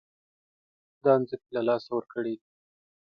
دا ځمکې له لاسه ورکړې دي.